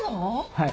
はい。